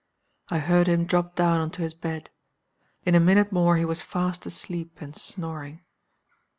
I heard him drop down on to his bed. In a minute more he was fast asleep and snoring.